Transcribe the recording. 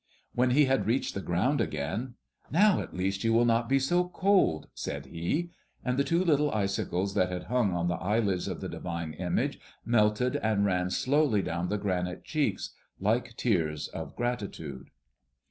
When he had reached the ground again, "Now, at least, you will not be so cold!" said he; and the two little icicles that had hung on the eyelids of the divine image melted and ran slowly down the granite cheeks like tears of gratitude.